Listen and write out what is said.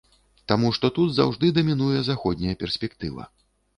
Таму што тут заўжды дамінуе заходняя перспектыва.